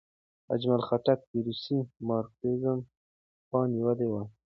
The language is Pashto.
اجمل خټک د روسي مارکسیزم خوا نیولې وه.